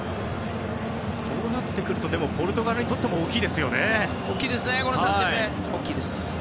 こうなってくるとポルトガルにとっても大きい。